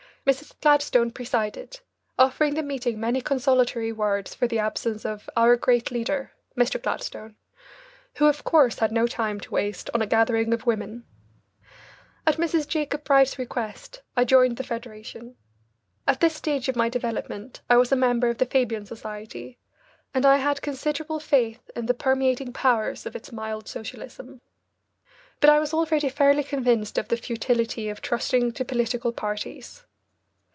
Mrs. Gladstone presided, offering the meeting many consolatory words for the absence of "our great leader," Mr. Gladstone, who of course had no time to waste on a gathering of women. At Mrs. Jacob Bright's request I joined the Federation. At this stage of my development I was a member of the Fabian Society, and I had considerable faith in the permeating powers of its mild socialism. But I was already fairly convinced of the futility of trusting to political parties.